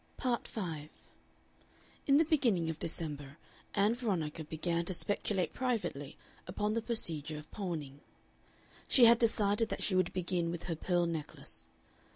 Part 5 In the beginning of December Ann Veronica began to speculate privately upon the procedure of pawning. She had decided that she would begin with her pearl necklace.